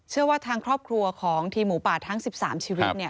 เชื่อว่าทางครอบครัวของทีมหมูป่าทั้ง๑๓ชีวิต